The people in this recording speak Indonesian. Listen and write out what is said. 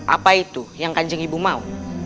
apa itu yang kan jengibu mau